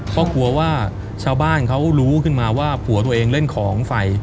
เพราะกลัวว่าชาวบ้านเขารู้ขึ้นมาว่าผัวตัวเองเล่นของไฟ